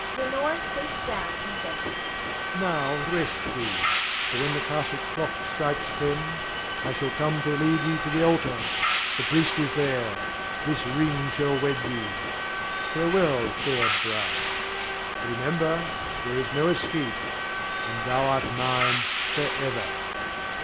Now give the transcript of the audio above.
[Leonore sinks down weeping.] Now rest thee; for when the castle clock strikes ten, I shall come to lead thee to the altar. The priest is there, this ring shall wed thee. Farewell, fair bride; remember, there is no escape, and thou art mine forever.